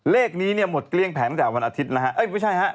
เลขนี้เนี่ยหมดเกลี้ยงแผนตั้งแต่วันอาทิตย์นะฮะเอ้ยไม่ใช่ฮะ